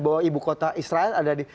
bahwa ibu kota israel ada di